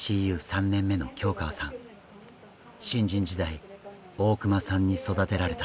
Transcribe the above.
新人時代大熊さんに育てられた。